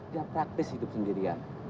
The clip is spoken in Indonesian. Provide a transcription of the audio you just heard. dia praktis hidup sendirian